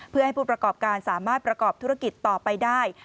เพื่อให้ผู้ประกอบการสามารถประกอบธุรกิจต่อไปได้